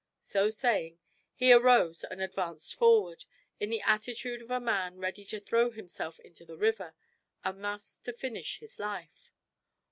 So saying, he arose and advanced forward, in the attitude of a man ready to throw himself into the river, and thus to finish his life.